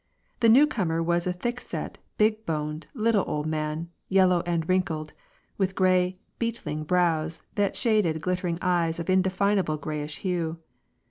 The new comer was a thick set, big boned, little old man, yellow and wrinkled, with gray, beetling brows that shaded glittering eyes of indefinable grayish hue.